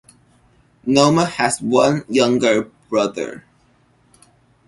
Ngoma has one younger brother.